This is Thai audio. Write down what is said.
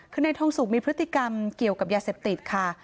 คือนายทองสุกมีพฤติกรรมเกี่ยวกับยาเสพติดค่ะ